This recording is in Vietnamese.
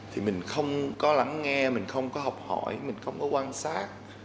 thì mình không có lắng nghe mình không có học hỏi mình không có quan sát